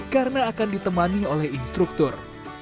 karena akan ditemani oleh instruktur